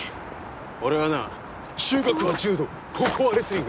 俺はな中学は柔道高校はレスリング。